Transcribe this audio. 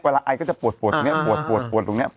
เวลาไอ้ก็จะปวดตรงนี้ปวดตรงนี้